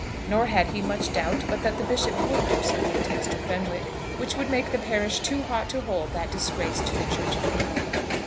Nor had he much doubt but that the bishop would do something to Mr. Fenwick, which would make the parish too hot to hold that disgrace to the Church of England.